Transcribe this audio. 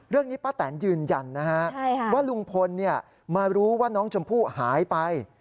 เรื่องนี้ป้าแตนยืนยันนะฮะว่าลุงพลมารู้ว่าน้องชมพู่หายไป